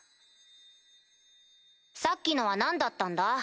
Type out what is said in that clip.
さっきのは何だったんだ？